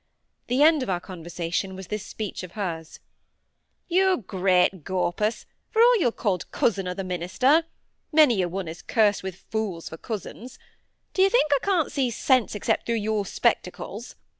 The end of our conversation was this speech of hers,— "You great gaupus, for all you're called cousin o' th' minister—many a one is cursed wi' fools for cousins—d'ye think I can't see sense except through your spectacles?